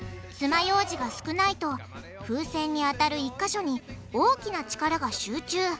まようじが少ないと風船に当たる１か所に大きな力が集中。